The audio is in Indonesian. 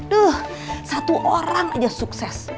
duh satu orang aja sukses